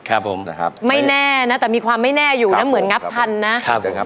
ครับผมนะครับไม่แน่นะแต่มีความไม่แน่อยู่นะเหมือนงับทันนะครับเชิญครับ